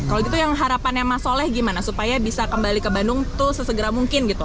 kalau gitu yang harapannya mas soleh gimana supaya bisa kembali ke bandung tuh sesegera mungkin gitu